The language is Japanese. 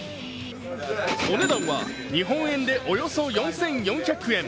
お値段は日本円でおよそ４４００円。